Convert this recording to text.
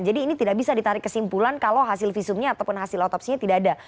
jadi ini tidak bisa ditarik kesimpulan kalau hasil visumnya ataupun hasil otopsinya tidak ada